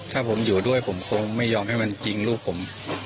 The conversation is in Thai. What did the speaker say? ถ้าผมอยู่ด้วยผมคงไม่ยอมให้มันจริงลูกผม